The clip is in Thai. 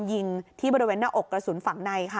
พอหลังจากเกิดเหตุแล้วเจ้าหน้าที่ต้องไปพยายามเกลี้ยกล่อม